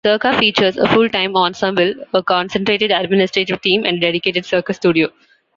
Circa features a full-time ensemble, a concentrated administrative team and a dedicated circus studio.